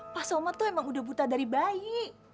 pak somad tuh emang udah buta dari bayi